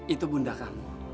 itu bunda kamu